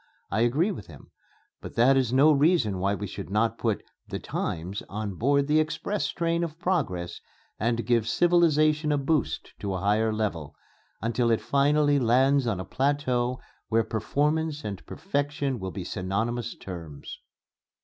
I agree with him, but that is no reason why we should not put 'the times' on board the express train of progress and give civilization a boost to a higher level, until it finally lands on a plateau where performance and perfection will be synonymous terms."